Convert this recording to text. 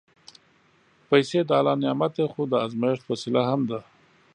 پېسې د الله نعمت دی، خو د ازمېښت وسیله هم ده.